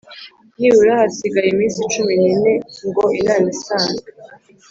nibura hasigaye iminsi cumi n ine ngo inama isanzwe